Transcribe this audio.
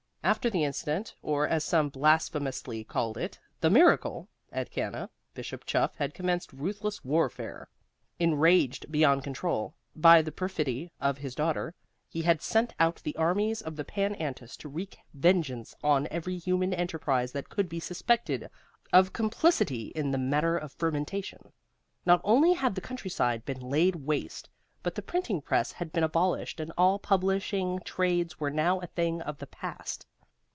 After the incident or, as some blasphemously called it, the miracle at Cana, Bishop Chuff had commenced ruthless warfare. Enraged beyond control by the perfidy of his daughter, he had sent out the armies of the Pan Antis to wreak vengeance on every human enterprise that could be suspected of complicity in the matter of fermentation. Not only had the countryside been laid waste, but the printing press had been abolished and all publishing trades were now a thing of the past.